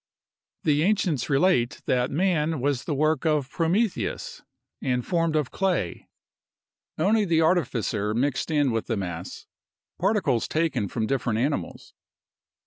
The ancients relate that man was the work of Prometheus, and formed of clay; only the artificer mixed in with the mass, particles taken from different animals.